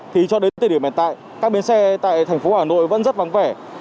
thì cho đến thời điểm hiện tại các bến xe tại thành phố hà nội vẫn rất vắng vẻ